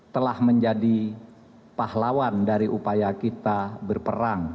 telah menjadi pahlawan dari upaya kita berperang